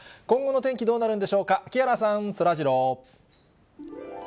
今後の天気どうなるんでしょうか、木原さん、そらジロー。